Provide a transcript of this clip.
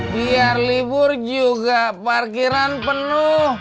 biar libur juga parkiran penuh